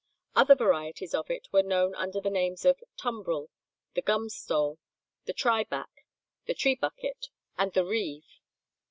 Other varieties of it were known under the names of tumbrel, the gumstole, the triback, the trebucket, and the reive.